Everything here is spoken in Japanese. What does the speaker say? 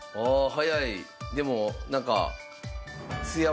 早い！